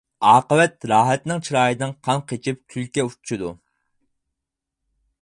ئاقىۋەت راھەتنىڭ چىرايىدىن قان قېچىپ، كۈلكە ئۇچىدۇ.